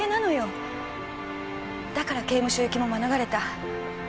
だから刑務所行きも免れた。